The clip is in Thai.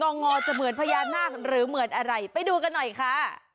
งอจะเหมือนพญานาคหรือเหมือนอะไรไปดูกันหน่อยค่ะ